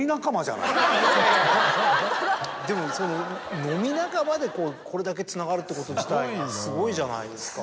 でもその飲み仲間でこれだけつながるってこと自体がすごいじゃないですか。